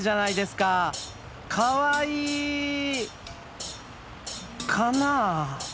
かわいいかなあ？